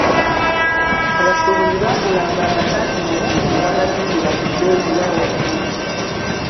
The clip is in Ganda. Abasuubuzi baagulanga amasaati mu bungi ne bagatundira ku bbeeyi ya waggulu.